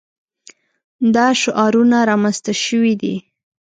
دا شعارونه رامنځته شوي دي.